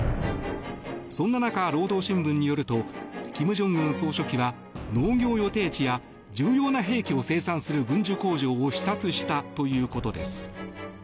そんな中、労働新聞によると金正恩総書記は農業予定地や重要な兵器を生産する軍需工場を視察したということです。